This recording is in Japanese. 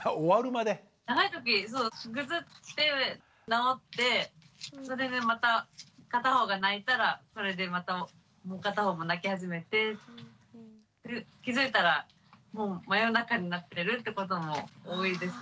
長いときぐずって直ってそれでまた片方が泣いたらそれでまたもう片方も泣き始めて気付いたらもう真夜中になってるってことも多いです。